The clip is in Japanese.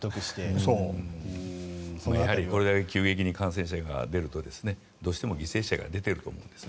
やはりこれだけ急激に感染者が出るとどうしても犠牲者が出ていると思うんですね。